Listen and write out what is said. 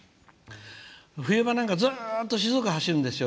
冬場なんか、ずっと静岡走るんですよ。